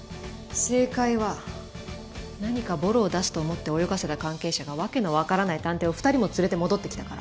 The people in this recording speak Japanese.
正解は何かボロを出すと思って泳がせた関係者が訳のわからない探偵を２人も連れて戻ってきたから。